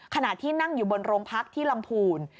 ขณะที่นั่งอยู่บนโรงพักที่ลำพูน